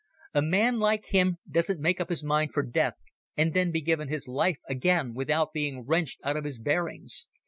A man like him doesn't make up his mind for death and then be given his life again without being wrenched out of his bearings.